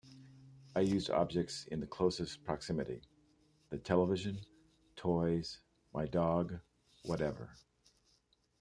I used objects in the closest proximity - the television, toys, my dog, whatever.